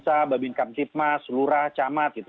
di binkamp ditmas lurah camat gitu